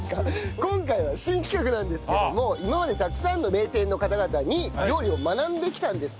今回は新企画なんですけども今までたくさんの名店の方々に料理を学んできたんですけども。